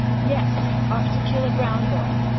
Yes. Off to kill a brown boy.